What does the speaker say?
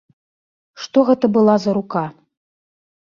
Што гэта была за рука.